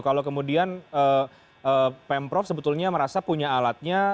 kalau kemudian pemprov sebetulnya merasa punya alatnya